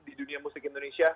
di dunia musik indonesia